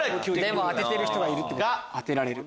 でも当ててる人がいるってことは当てられる。